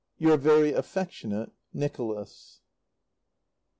Your very affectionate, NICHOLAS.